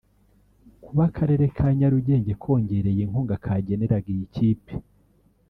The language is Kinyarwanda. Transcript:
Kuba akarere ka Nyarugenge kongereye inkunga kageneraga iyi kipe